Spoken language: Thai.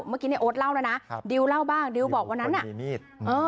เมื่อกี้ในโอ๊ตเล่าแล้วนะดิวเล่าบ้างดิวบอกวันนั้นมีมีด